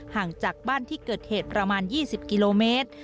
ห่างจากบ้านที่เกิดเหตุประมาณ๒๐กิโลเมตร